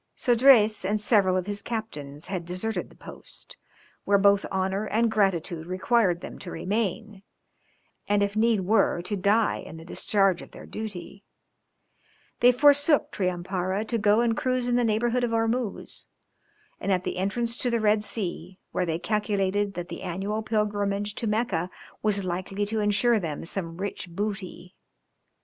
Sodrez and several of his captains had deserted the post, where both honour and gratitude required them to remain, and if need were, to die in the discharge of their duty; they forsook Triumpara to go and cruise in the neighbourhood of Ormuz, and at the entrance to the Red Sea, where they calculated that the annual pilgrimage to Mecca was likely to ensure them some rich booty.